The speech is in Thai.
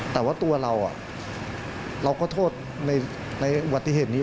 แต่ว่าตัวเราเราก็โทษในอุบัติเหตุนี้